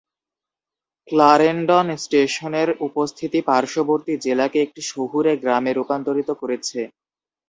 Clarendon স্টেশনের উপস্থিতি পার্শ্ববর্তী জেলাকে একটি শহুরে গ্রামে রূপান্তরিত করেছে।